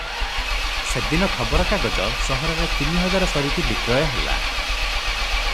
ସେଦିନ ଖବରକାଗଜ ସହରରେ ତିନିହଜାର ସରିକି ବିକ୍ରୟ ହେଲା ।